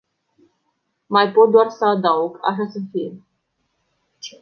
Mai pot doar să adaug, așa să fie!